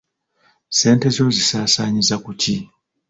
Ssente zo ozisaasaanyiza ku ki?